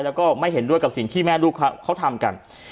แล้วก็ไม่เห็นด้วยกับสิ่งที่แม่ลูกเขาทำกัน